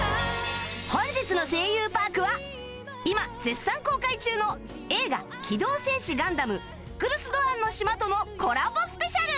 本日の『声優パーク』は今絶賛公開中の映画『機動戦士ガンダムククルス・ドアンの島』とのコラボスペシャル